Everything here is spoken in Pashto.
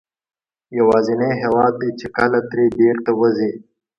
یوازینی هېواد دی چې کله ترې بېرته وځې.